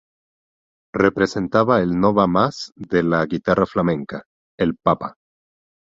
Representaba el no va más de la guitarra flamenca, el Papa.